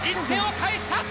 １点を返した。